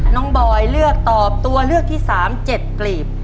น้องบอยเลือกตอบตัวเลือกที่๓เจ็ดกลีบ